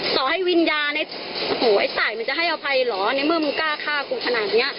ต่อให้วิญญาณในโหไอ้สายมันจะให้อภัยเหรอในเมื่อมึงกล้าฆ่ากูขนาดนี้